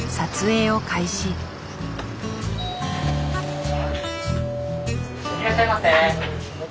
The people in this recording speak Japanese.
いらっしゃいませ。